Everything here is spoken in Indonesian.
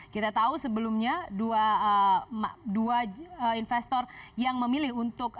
kita tahu sebelumnya dua investor yang memilih untuk